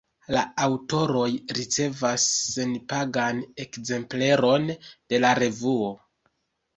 La aŭtoroj ricevas senpagan ekzempleron de la revuo.